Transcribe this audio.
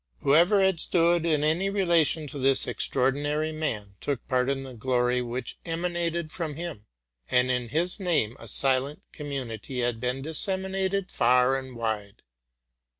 Whoever had stood in any relation to this extraordinary man, took part in the glory which emanated from him; and in his name a silent community had been dis seminated far and wide.